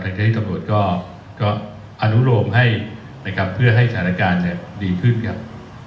ทางเทศทำลดก็ก็อนุโลมให้นะครับเพื่อให้สถานการณ์เนี้ยดีขึ้นครับ